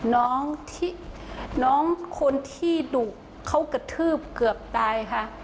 น้องที่น้องคนที่ดุเขากระทืบเกือบตายค่ะ